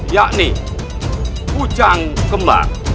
yakni pujang kemar